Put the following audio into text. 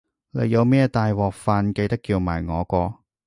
你有咩大鑊飯記得叫埋我喎